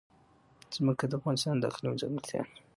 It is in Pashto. ځمکه د افغانستان د اقلیم ځانګړتیا ده.